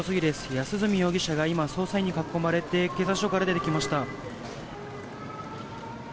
安栖容疑者が今、捜査員に囲まれて警察署から出てきました。